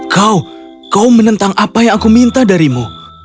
kau kau menentang apa yang aku minta darimu